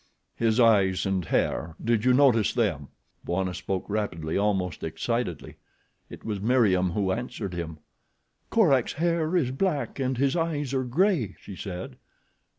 "His eyes and hair, did you notice them?" Bwana spoke rapidly, almost excitedly. It was Meriem who answered him. "Korak's hair is black and his eyes are gray," she said.